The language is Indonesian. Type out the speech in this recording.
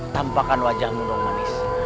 tampakan wajahmu dong manis